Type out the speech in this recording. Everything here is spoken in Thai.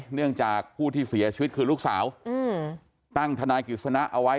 เนื่องจากผู้ที่เสียชีวิตคือลูกสาวตั้งทนายกิจสนะเอาไว้